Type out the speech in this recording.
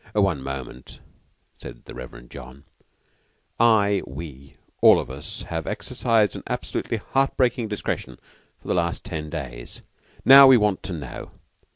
"One moment," said the Reverend John. "I we all of us have exercised an absolutely heart breaking discretion for the last ten days. Now we want to know.